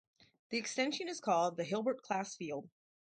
This extension is called the Hilbert class field.